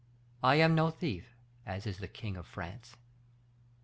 I am no thief as is the king of France."